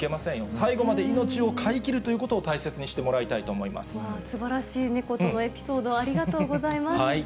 最後まで命を飼いきるということを大切にしてもらいたいと思いますばらしい猫とのエピソード、ありがとうございます。